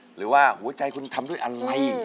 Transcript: หรือว่าหัวใจคุณทำด้วยอะไร